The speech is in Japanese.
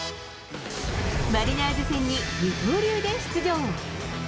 マリナーズ戦に二刀流で出場。